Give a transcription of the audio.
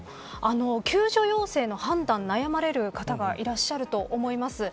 救助要請の判断、悩まれる方がいらっしゃると思います。